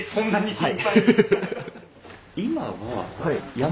はい。